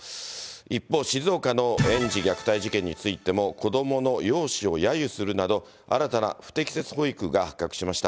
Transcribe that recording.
一方、静岡の園児虐待事件についても、子どもの容姿をやゆするなど、新たな不適切保育が発覚しました。